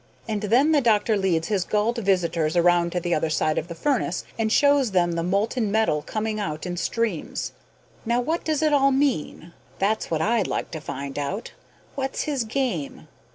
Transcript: And then the doctor leads his gulled visitors around to the other side of the furnace and shows them the molten metal coming out in streams. Now what does it all mean? That's what I'd like to find out. What's his game?